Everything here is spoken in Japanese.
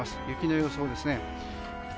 雪の予想ですね。